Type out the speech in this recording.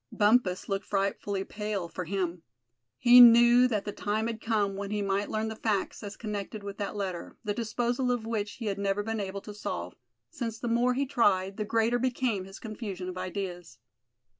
Bumpus looked frightfully pale—for him. He knew that the time had come when he might learn the facts as connected with that letter, the disposal of which he had never been able to solve; since the more he tried the greater became his confusion of ideas.